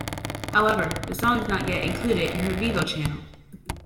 However, the song is not yet included in her Vevo channel.